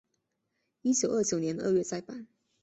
一九二九年二月再版。